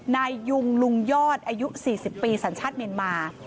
นายยุงลุงยอดอายุ๔๐ปีสัญชาติเมียนมา